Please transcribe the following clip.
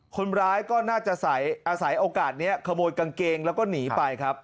คนร้ายก็น่าจะอาศัยโอกาสนี้ขโมยกางเกงแล้วก็หนีไปครับ